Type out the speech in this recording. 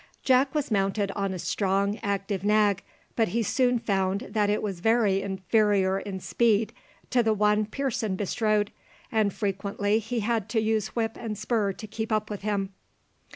Jack was mounted on a strong, active nag, but he soon found that it was very inferior in speed to the one Pearson bestrode, and frequently he had to use whip and spur to keep up with him.